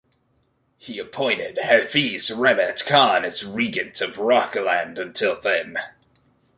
He appointed Hafiz Rehmat Khan as regent of Rohilkhand until then.